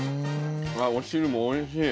お汁も美味しい。